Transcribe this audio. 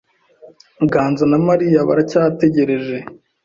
Ganza na Mariya baracyategereje.